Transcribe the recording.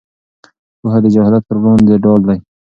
پوهه د جهالت پر وړاندې ډال دی.